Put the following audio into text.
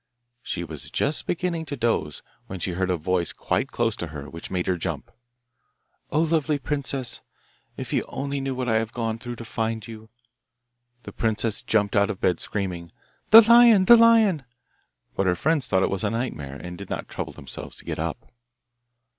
She was just beginning to doze when she heard a voice quite close to her, which made her jump. 'O lovely princess, if you only knew what I have gone through to find you!' The princess jumped out of bed screaming, 'The lion! the lion!' but her friends thought it was a nightmare, and did not trouble themselves to get up.